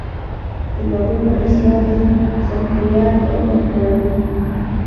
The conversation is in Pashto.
د بګونو اصلاح د سافټویر کیفیت لوړوي.